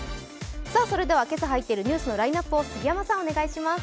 それでは今朝入っているニュースのラインナップを杉山さんお願いします。